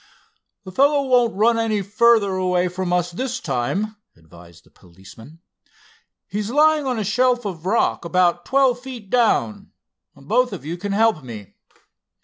"The fellow won't run any further away from us this time," advised the policeman. "He's lying on a shelf of rock about twelve feet down. Both of you can help me."